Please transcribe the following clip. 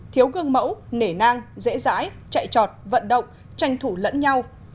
thiếu gương mẫu nể nang dễ dãi chạy trọt vận động tranh thủ lẫn nhau